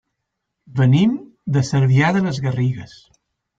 Venim de Cervià de les Garrigues.